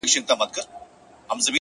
زه وایم ما به واخلي; ما به يوسي له نړيه;